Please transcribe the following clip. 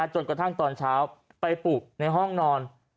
จนกระทั่งตอนเช้าไปปลูกในห้องนอน